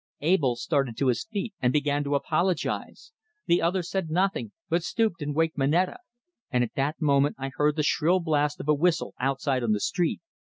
Abell started to his feet, and began to apologize. The other said nothing, but stooped and waked Moneta. And at that moment I heard the shrill blast of a whistle outside on the street!